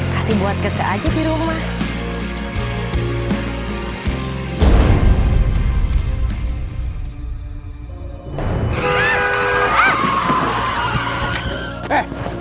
kasih buat gede aja di rumah